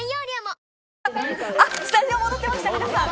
スタジオに戻ってました皆さん！